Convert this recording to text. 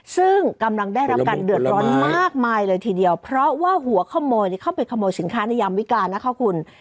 ซึ่งกำลังได้รับการเดือดร้อนมากมายเลยทีเดียวเพราะว่าหัวขโมยเข้าไปขโมยสินค้าในยามวิการนะคะคุณ